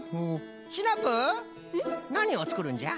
シナプーなにをつくるんじゃ？